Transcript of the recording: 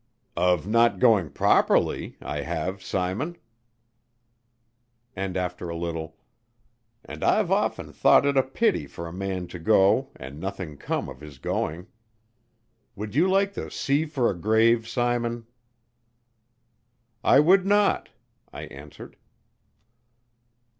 "Of not going properly I have, Simon." And after a little: "And I've often thought it a pity for a man to go and nothing come of his going. Would you like the sea for a grave, Simon?" "I would not," I answered.